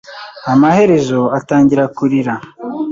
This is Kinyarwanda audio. Amaherezo, atangira kurira.